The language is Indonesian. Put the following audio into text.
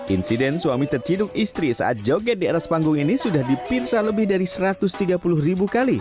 insiden suami terciduk istri saat joget di atas panggung ini sudah dipirsa lebih dari satu ratus tiga puluh ribu kali